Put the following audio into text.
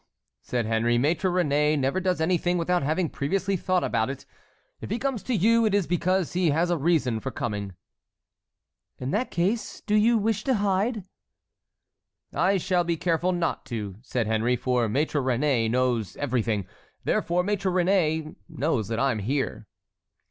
said Henry; "Maître Réné never does anything without having previously thought about it. If he comes to you, it is because he has a reason for coming." "In that case, do you wish to hide?" "I shall be careful not to," said Henry, "for Maître Réné knows everything; therefore Maître Réné knows that I am here."